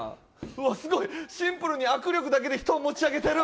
すごい、シンプルに握力だけで人を持ち上げてる。